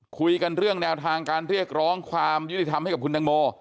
คุยกันเรื่องแนวทางการเรียกร้องความยุติธรรมให้กับคุณตังโม